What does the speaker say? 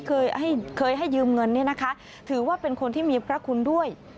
เคยให้ยืมเงินถือว่าเป็นคนที่มีพระคุณด้วย